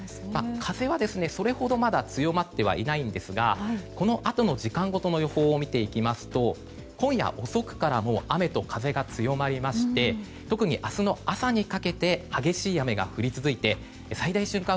風はそれほど強まってはいないんですがこのあとの時間ごとの予報を見ていきますと今夜遅くから雨と風が強まりまして特に明日の朝にかけて激しい雨が降り続いて最大瞬間